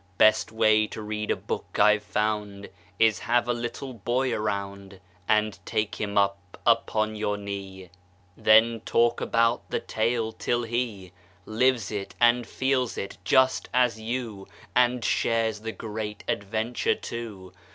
Best way to read a book I've found Is have a little boy around And take him up upon your knee; Then talk about the tale, till he Lives it and feels it, just as you, And shares the great adventure, too.